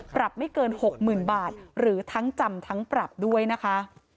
ปรับไม่เกิน๖๐๐๐บาทหรือทั้งจำทั้งปรับด้วยนะคะ